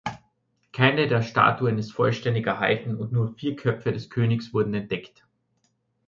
Keine der Statuen ist vollständig erhalten und nur vier Köpfe des Königs wurden entdeckt.